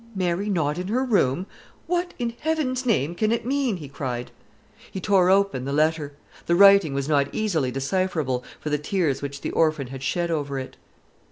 "Mary not in her room! What, in Heaven's name, can it mean?" he cried. He tore open the letter. The writing was not easily decipherable for the tears which the orphan girl had shed over it.